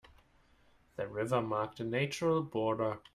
The river marked a natural border.